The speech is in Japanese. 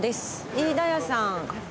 飯田屋さん。